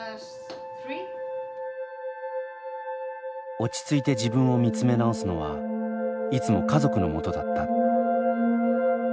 落ち着いて自分を見つめ直すのはいつも家族のもとだった。